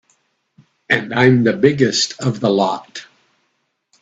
And I'm the biggest of the lot.